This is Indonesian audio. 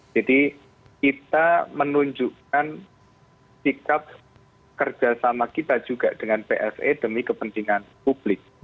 jadi kita menunjukkan sikap kerjasama kita juga dengan pse demi kepentingan publik